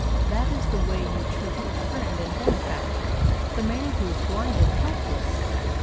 That is the way you treat your friend and benefactor, the man who is blind and helpless!